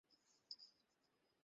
মৌনব্রতে আছে তো তাই কথা বলছেন না।